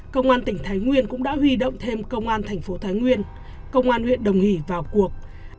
công an tỉnh thái nguyên cũng đã huy động thêm công an thành phố thái nguyên công an huyện đồng hỷ vào cuộc